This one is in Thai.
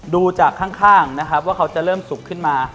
ดูจากข้างนะครับว่าเขาจะเริ่มสุกขึ้นมา